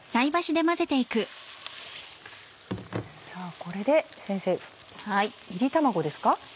これで先生炒り卵ですか？